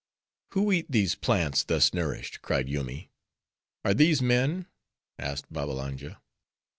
"Who eat these plants thus nourished?" cried Yoomy. "Are these men?" asked Babbalanja.